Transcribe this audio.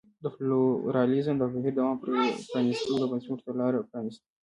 د پلورالېزم د بهیر دوام پرانیستو بنسټونو ته لار پرانېسته.